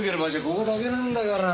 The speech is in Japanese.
ここだけなんだから。